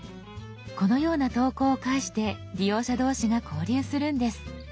このような投稿を介して利用者同士が交流するんです。